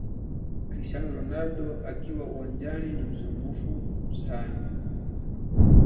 Cristiano Ronaldo akiwa uwanjani ni msumbufu sana